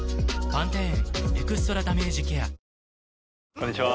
こんにちは。